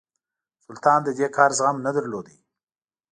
سلطان د دې کار زغم نه درلود.